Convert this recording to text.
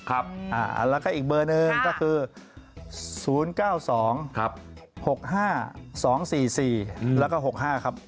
แล้วก็อีกเบอร์หนึ่งก็คือ๐๙๒๖๕๒๔๔แล้วก็๖๕ครับ